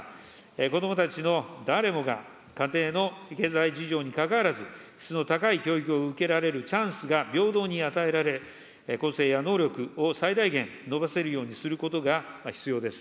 子どもたちの誰もが家庭の経済事情にかかわらず、質の高い教育を受けられるチャンスが平等に与えられ、個性や能力を最大限伸ばせるようにすることが必要です。